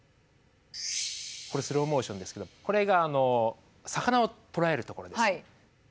これスローモーションですけどこれが魚をとらえるところです。